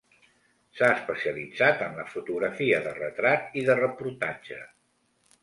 S'ha especialitzat en la fotografia de retrat i de reportatge.